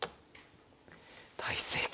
大正解。